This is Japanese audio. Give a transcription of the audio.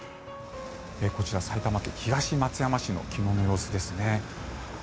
こちら、埼玉県東松山市の昨日の様子ですね。